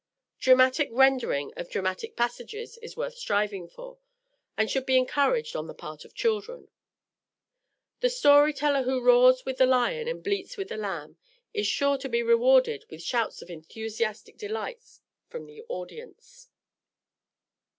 Dramatic rendering of dramatic passages is worth striving for, and should be encouraged on the part of children. The story teller who roars with the lion and bleats with the lamb is sure to be rewarded with shouts of enthusiastic delight from the audience.